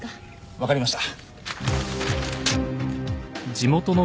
わかりました。